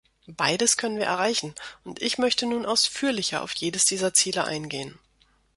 Beides können wir erreichen, und ich möchte nun ausführlicher auf jedes dieser Ziele eingehen.